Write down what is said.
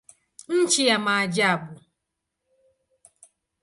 Nchi ya maajabu.